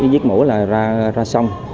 giết mổ là ra sông